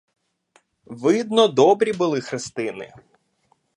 Видно, добрі були хрестини!